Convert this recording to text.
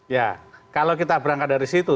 ya kalau kita berangkat dari situ